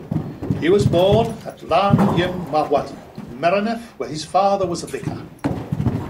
He was born at Llan-ym-Mawddwy, Merioneth, where his father was vicar.